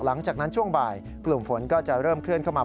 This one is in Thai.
หลังจากนั้นช่วงบ่ายกลุ่มฝนก็จะเริ่มเคลื่อนเข้ามา